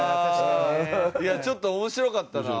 いやちょっと面白かったな。